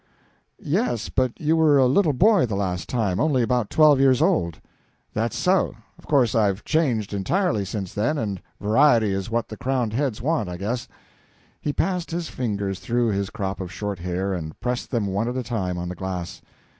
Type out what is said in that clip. "Yes; but you were a little boy the last time, only about twelve years old." "That's so. Of course I've changed entirely since then, and variety is what the crowned heads want, I guess." He passed his fingers through his crop of short hair, and pressed them one at a time on the glass.